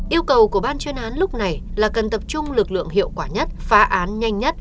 yêu cầu của ban chuyên án lúc này là cần tập trung lực lượng hiệu quả nhất phá án nhanh nhất